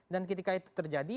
dan ketika itu terjadi